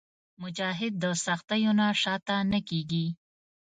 مجاهد د سختیو نه شاته نه کېږي.